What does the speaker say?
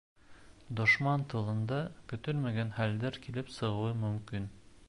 Дошман тылында көтөлмәгән хәлдәр килеп сығыуы мөмкин.